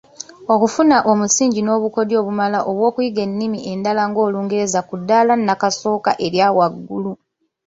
Okufuna omusingi n’obukodyo obumala obw’okuyiga ennimi endala ng’olungereza ku ddaala nnakasooka erya waggulu.